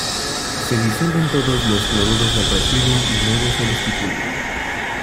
Se disuelven todos los cloruros del residuo y luego se les titula.